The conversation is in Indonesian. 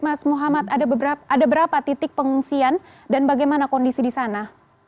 mas muhammad ada berapa titik pengungsian dan bagaimana kondisi di sana